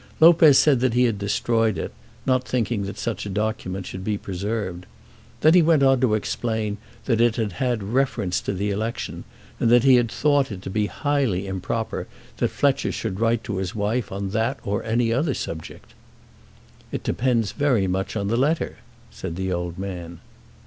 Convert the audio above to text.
Lopez said that he had destroyed it, not thinking that such a document should be preserved. Then he went on to explain that it had had reference to the election, and that he had thought it to be highly improper that Fletcher should write to his wife on that or on any other subject. "It depends very much on the letter," said the old man.